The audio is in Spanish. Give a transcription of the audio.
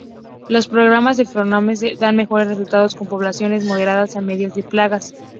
Los programas de feromonas dan mejores resultados con poblaciones moderadas a medianas de plagas.